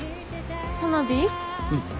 うん。